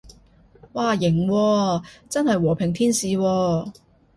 嘩，型喎，真係和平天使喎